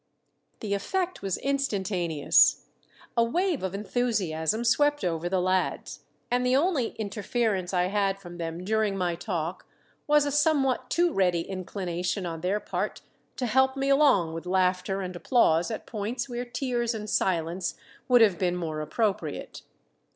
The effect was instantaneous. A wave of enthusiasm swept over the lads, and the only interference I had from them during my talk was a somewhat too ready inclination on their part to help me along with laughter and applause at points where tears and silence would have been more appropriate.